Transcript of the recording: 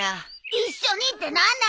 一緒にって何なの？